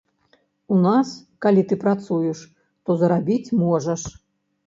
У нас, калі ты працуеш, то зарабіць можаш.